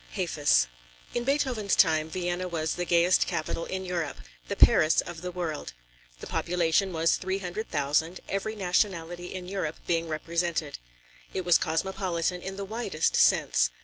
HAFIZ. In Beethoven's time, Vienna was the gayest capital in Europe, the Paris of the world. The population was 300,000, every nationality in Europe being represented. It was cosmopolitan in the widest sense.